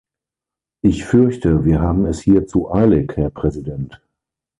Ich fürchte, wir haben es hier zu eilig, Herr Präsident.